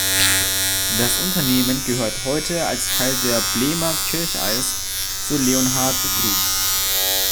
Das Unternehmen gehört heute als Teil der "Blema-Kircheis" zur Leonhardt Group.